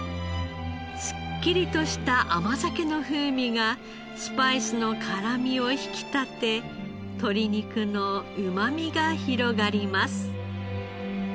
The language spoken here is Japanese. すっきりとした甘酒の風味がスパイスの辛みを引き立て鶏肉のうまみが広がります。